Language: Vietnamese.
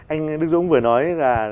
anh đức dũng vừa nói là